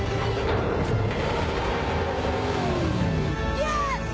よし！